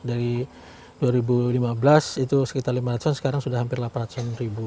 jadi dua ribu lima belas itu sekitar lima ratus sekarang sudah hampir delapan ratus ribu